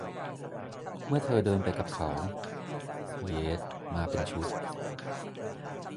เมื่อเธอเดินไปกับเขา เหยด มาเป็นชุด